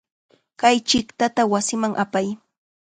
Kay chiqtata wasiman apay.